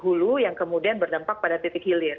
hulu yang kemudian berdampak pada titik hilir